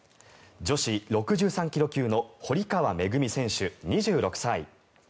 女子６３ｋｇ級の堀川恵選手、２６歳。